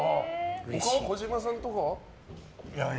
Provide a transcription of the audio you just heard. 児嶋さんとかは？